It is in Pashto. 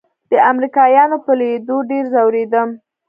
د امريکايانو په ليدو ډېر ځورېدم.